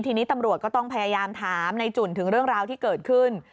ทีนี้ตำรวจก็ต้องพยายามถามในจุ่นถึงเรื่องราวที่เกิดขึ้น